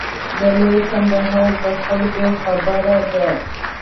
د لوی کندهار د خلکو خبره ده.